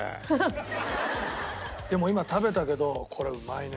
でも今食べたけどこれうまいね。